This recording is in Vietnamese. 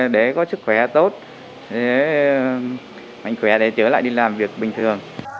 để có sức khỏe tốt mạnh khỏe để trở lại đi làm việc bình thường